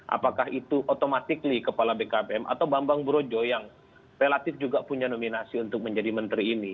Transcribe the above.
apakah itu otomatis kepala bkpm atau bambang brojo yang relatif juga punya nominasi untuk menjadi menteri ini